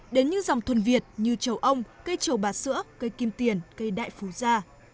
đến những dòng thuần việt như chầu ông cây chầu bà sữa cây kim tiền cây đại phú gia